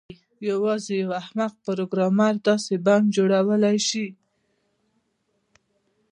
یوازې یو احمق پروګرامر داسې بم جوړولی شي